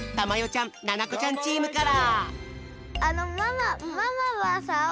ちゃんななこちゃんチームから！